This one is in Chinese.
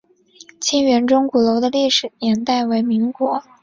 靖远钟鼓楼的历史年代为民国。